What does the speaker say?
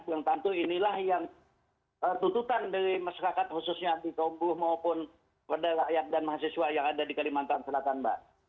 yang tentu inilah yang tuntutan dari masyarakat khususnya anti kombu maupun pada rakyat dan mahasiswa yang ada di kalimantan selatan mbak